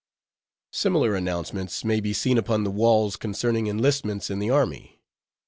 _ Similar announcements may be seen upon the walls concerning enlistments in the army.